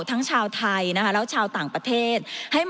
ทั้งชาวไทยนะคะแล้วชาวต่างประเทศ